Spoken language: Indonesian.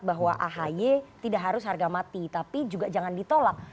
bahwa ahy tidak harus harga mati tapi juga jangan ditolak